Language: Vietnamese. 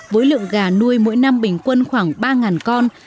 với lượng gà nuôi mỗi năm bình quân khoảng ba con